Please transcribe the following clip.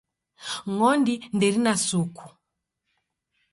Ng'ondi nderine suku